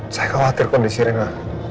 saya khawatir kondisi rena